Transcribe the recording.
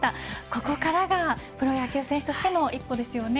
ここからがプロ野球選手としての一歩ですよね。